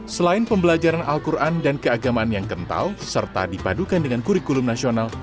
selain pembelajaran al quran dan keagamaan yang kental serta dipadukan dengan kurikulum nasional